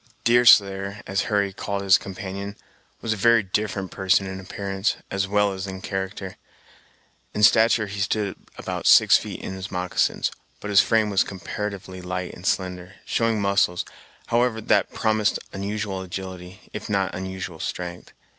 Deerslayer, as Hurry called his companion, was a very different person in appearance, as well as in character. In stature he stood about six feet in his moccasins, but his frame was comparatively light and slender, showing muscles, however, that promised unusual agility, if not unusual strength.